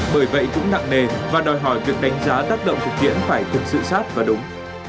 bởi vậy cũng nặng nề và đòi hỏi việc đánh giá tác động thực tiễn phải thực sự sát và đúng